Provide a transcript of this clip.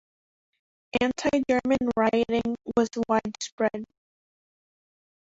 Anti-German rioting was widespread.